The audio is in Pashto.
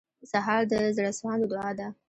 سهار د زړسواندو دعا ده.